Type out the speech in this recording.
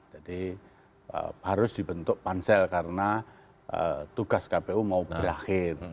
jadi harus dibentuk pancel karena tugas kpu mau berakhir